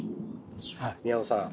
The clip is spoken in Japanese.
宮野さん